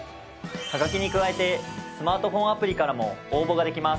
ハガキに加えてスマートフォンアプリからも応募ができます。